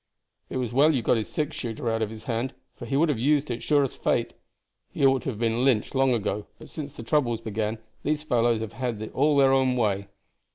It was well you got his six shooter out of his hand, for he would have used it as sure as fate. He ought to have been lynched long ago, but since the troubles began these fellows have had all their own way.